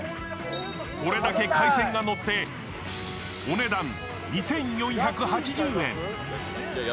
これだけ海鮮が乗ってお値段２４８０円。